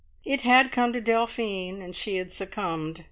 It had come to Delphine, and she had succumbed.